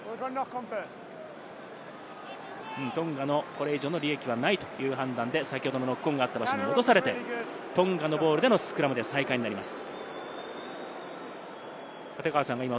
トンガの、これ以上の利益はないという判断で先ほどのノックオンがあった場所に戻されて、トンガのボールでのスクラムになります。